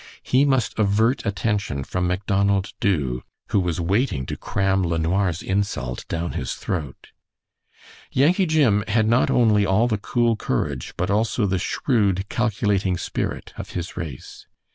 He must avert attention from Macdonald Dubh, who was waiting to cram LeNoir's insult down his throat. Yankee Jim had not only all the cool courage but also the shrewd, calculating spirit of his race.